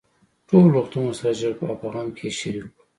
ټول روغتون ورسره ژړل او په غم کې يې شريک وو.